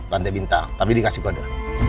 lantai bintang tapi dikasih kode